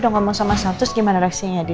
apa yang terjadi